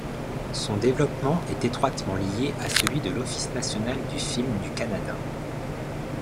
Son développement est étroitement lié à celui de l'Office national du film du Canada.